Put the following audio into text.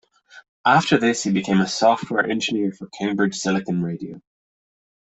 After this he became a software engineer for Cambridge Silicon Radio.